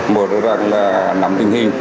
một là nằm tình hình